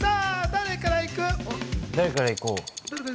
誰から行こう？